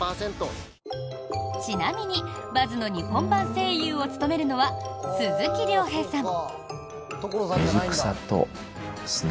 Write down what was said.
ちなみにバズの日本版声優を務めるのは鈴木亮平さん。